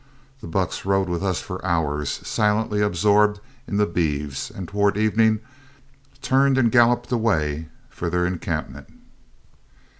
The bucks rode with us for hours, silently absorbed in the beeves, and towards evening turned and galloped away for their encampment.